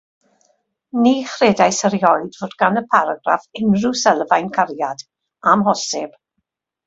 Ni chredais erioed fod gan y paragraff unrhyw sylfaen, cariad - amhosib.